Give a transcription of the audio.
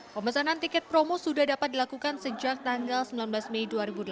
pemesanan tiket promo sudah dapat dilakukan sejak tanggal sembilan belas mei dua ribu delapan belas